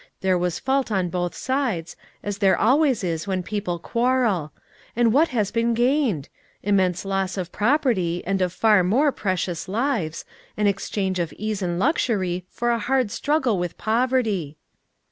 There was fault on both sides, as there always is when people quarrel. And what has been gained? Immense loss of property, and of far more precious lives, an exchange of ease and luxury for a hard struggle with poverty."